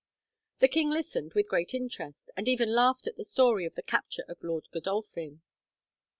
The king listened with great interest, and even laughed at the story of the capture of Lord Godolphin.